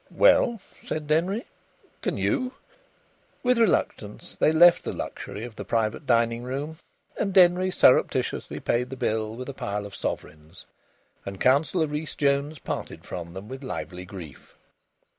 "Well," said Denry, "can you?" With reluctance they left the luxury of the private dining room, and Denry surreptitiously paid the bill with a pile of sovereigns, and Councillor Rhys Jones parted from them with lively grief.